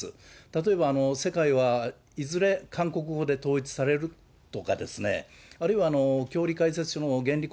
例えば世界はいずれ韓国語で統一されるとかですね、あるいは、教理解説書の原理